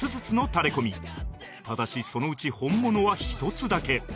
ただしそのうち本物は１つだけ